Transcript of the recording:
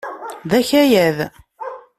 D akayad.